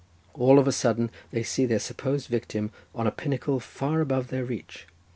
All of a sudden they see their supposed victim on a pinnacle far above their reach.